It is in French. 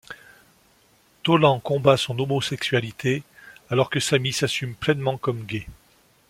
Toland combat son homosexualité alors que Sammy s'assume pleinement comme gay.